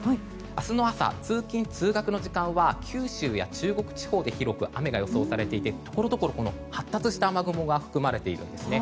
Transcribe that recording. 明日の朝、通勤・通学の時間は九州や中国地方で広く雨が予想されていてところどころ発達した雨雲が含まれているんですね。